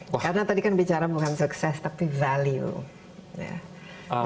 karena tadi kan bicara bukan sukses tapi value